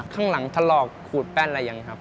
ข้างหลังทะลอกขูดแป้นอะไรอย่างนี้ครับ